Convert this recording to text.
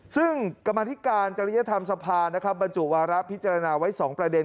ซึ่งกรรมธิการจริยธรรมสภานะครับบรรจุวาระพิจารณาไว้๒ประเด็น